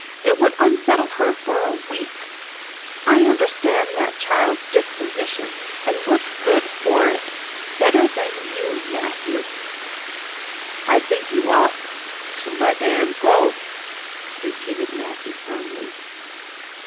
It would unsettle her for a week. I understand that child's disposition and what's good for it better than you, Matthew." "I think you ought to let Anne go," repeated Matthew firmly.